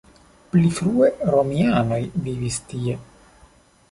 Pli frue romianoj vivis tie.